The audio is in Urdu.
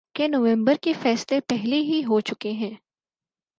کہ نومبر کے فیصلے پہلے ہی ہو چکے ہیں۔